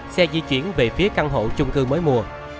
xe di chuyển về phía căn hộ chung cư mới mua